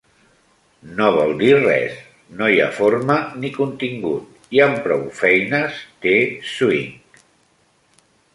No vol dir res; no hi ha forma, ni contingut, i amb prou feines té swing.